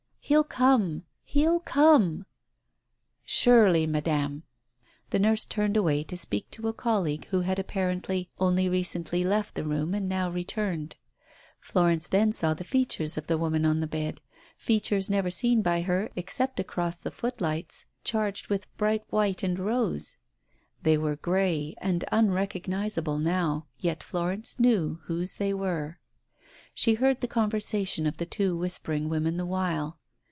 He'll come ... he'll come !" "Surely, Madam " The nurse turned away to speak to a colleague who had apparently only recently left the room and now returned. Florence then saw the features of the woman Digitized by Google 66 TALES OF THE UNEASY on the bed, features never seen by her except across the footlights, charged with bright white and rose. They were grey and unrecognizable now, yet Florence knew whose they were. She heard the conversation of the two whispering women the while.